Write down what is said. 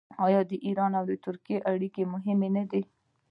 آیا د ایران او ترکیې اړیکې مهمې نه دي؟